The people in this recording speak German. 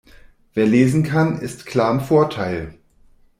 Wer lesen kann, ist klar im Vorteil.